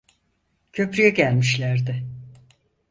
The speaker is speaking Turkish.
Köprü’ye gelmişlerdi.